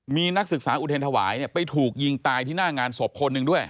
มีนักศึกษาอุเทรนธวายไปถูกยิงตายที่หน้างานศพคนหนึ่งด้วย